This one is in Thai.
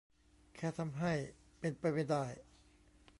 แค่ทำให้เป็นไปไม่ได้